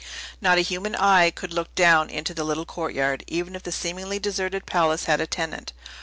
Not a human eye could look down into the little courtyard, even if the seemingly deserted palace had a tenant.